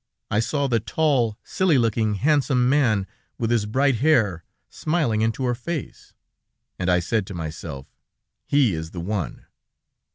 I saw the tall, silly looking, handsome man, with his bright hair, smiling into her face, and I said to myself: 'He is the one!'